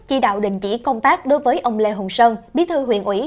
chỉ đạo đình chỉ công tác đối với ông lê hùng sơn bí thư huyện ủy